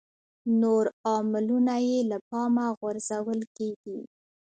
نور عاملونه یې له پامه غورځول کېږي.